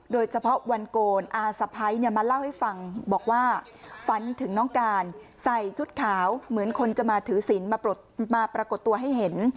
โดยเฉพาะวันโกนอาสะพ้ายมาเล่าให้ฟังบอกว่าฝันถึงน้องการใส่ชุดขาวเหมือนคนจะมาถือศิลป์มาปรากฏตัวให้เห็น